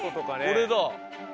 これだ！